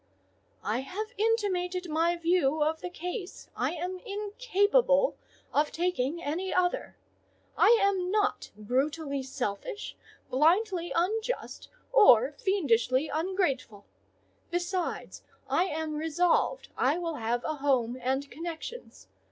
"I have intimated my view of the case: I am incapable of taking any other. I am not brutally selfish, blindly unjust, or fiendishly ungrateful. Besides, I am resolved I will have a home and connections.